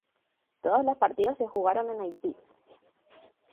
Todos los partidos se jugaron en Haití.